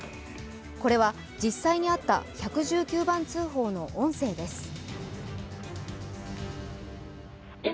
これは、実際にあった１１９番通報の音声です。